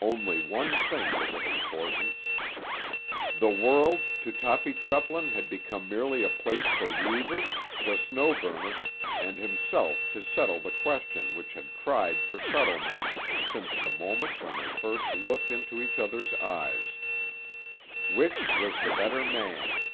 Only one thing was of importance. The world to Toppy Treplin had become merely a place for Reivers, the Snow Burner, and himself to settle the question which had cried for settlement since the moment when they first looked into each other's eyes: Which was the better man?